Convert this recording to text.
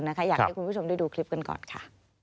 อยากให้คุณผู้ชมได้ดูคลิปกันก่อนค่ะ